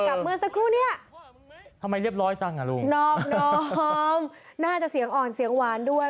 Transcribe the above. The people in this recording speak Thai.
เมื่อสักครู่เนี้ยทำไมเรียบร้อยจังอ่ะลูกนอบน้อมน่าจะเสียงอ่อนเสียงหวานด้วย